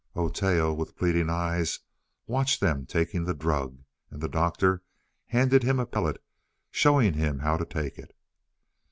Oteo, with pleading eyes, watched them taking the drug, and the Doctor handed him a pellet, showing him how to take it.